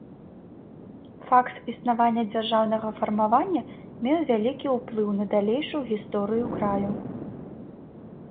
Факт існавання дзяржаўнага фармавання меў вялікі ўплыў на далейшую гісторыю краю.